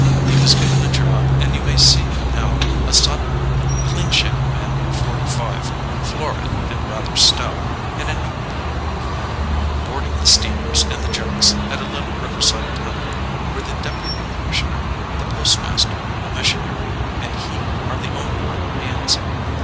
He was given a job and you may see him now, a sun burned, clean shaven man of forty five, florid and rather stout, in a neat blue uniform, boarding the steamers and the junks at a little riverside town, where the deputy commissioner, the postmaster, a missionary, and he are the only Europeans.